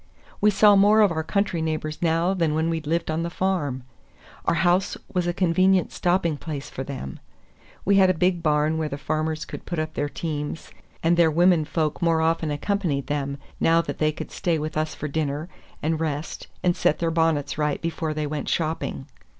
We saw more of our country neighbors now than when we lived on the farm. Our house was a convenient stopping place for them. We had a big barn where the farmers could put up their teams, and their women folk more often accompanied them, now that they could stay with us for dinner, and rest and set their bonnets right before they went shopping.